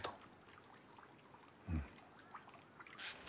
うん。